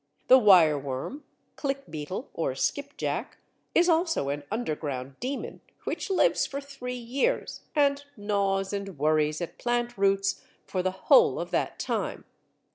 The Wireworm, Clickbeetle, or Skipjack, is also an underground demon which lives for three years, and gnaws and worries at plant roots for the whole of that time.